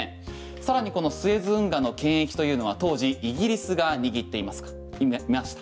さらにこのスエズ運河の権益というのは当時イギリスが握っていました。